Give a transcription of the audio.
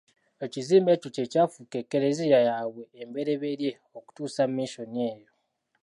Ekizimbe ekyo kye kyafuuka eklezia yaabwe embereberye okutuusa Mission eyo.